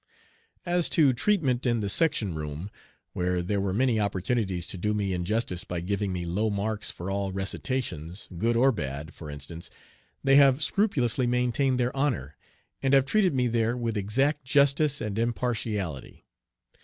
As to treatment in the section room, where there were many opportunities to do me injustice by giving me low marks for all recitations, good or bad, for instance, they have scrupulously maintained their honor, and have treated me there with exact justice and impartiality.